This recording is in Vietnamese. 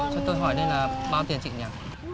cho tôi hỏi đây là bao tiền chị nhỉ